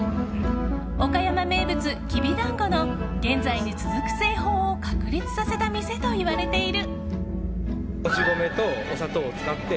岡山名物きびだんごの現在に続く製法を確立させた店といわれている。